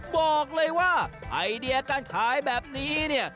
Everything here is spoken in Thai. บอกเลยว่าไอเดียการขายแบบนี้เนี่ย